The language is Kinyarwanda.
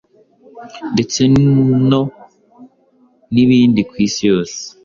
ndetse no nibindi ku Isi yose;